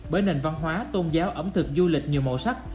bởi nền văn hóa tôn giáo ẩm thực du lịch nhiều màu sắc